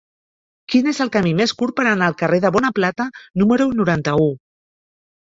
Quin és el camí més curt per anar al carrer de Bonaplata número noranta-u?